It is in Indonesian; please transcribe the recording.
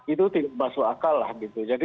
itu tidak masuk akal lah gitu jadi